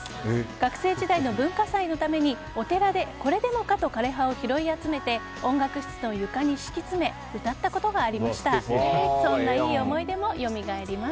学生時代の文化祭のためにお寺で、これでもかと枯れ葉を拾い集めて音楽室の床に敷き詰め洗っても落ちない